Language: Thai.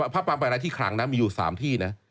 พระปางปาเลไลที่ครั้งนะมีอยู่๓ที่นะ